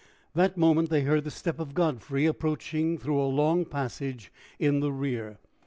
That moment they heard the step of Godfrey approaching through a long passage in the rear.